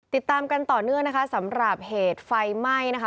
ติดตามกันต่อเนื่องนะคะสำหรับเหตุไฟไหม้นะคะ